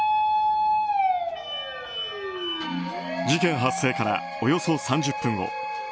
事件発生からおよそ３０分後。